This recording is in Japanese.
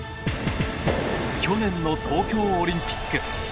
去年の東京オリンピック。